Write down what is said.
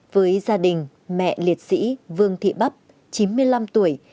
với gia đình mẹ liệt sĩ vương thị bắp chín mươi năm tuổi